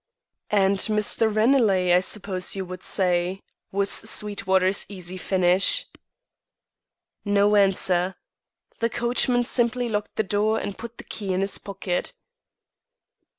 "And Mr. Ranelagh, I suppose you would say?" was Sweetwater's easy finish. No answer; the coachman simply locked the door and put the key in his pocket.